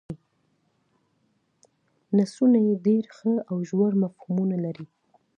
نثرونه یې ډېر ښه او ژور مفهومونه لري.